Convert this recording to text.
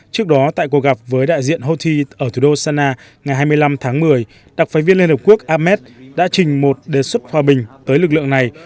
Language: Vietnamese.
trước đó tại cuộc gặp với đại diện houthi ở thủ đô sana ngày hai mươi năm tháng một mươi đặc phái viên liên hợp quốc ahmed đã trình một đề xuất hòa bình tới lực lượng này